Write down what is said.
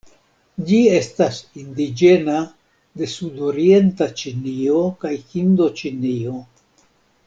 Ĝi estas indiĝena de sudorienta Ĉinio kaj Hindoĉinio.